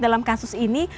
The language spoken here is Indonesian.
dalam kasus ini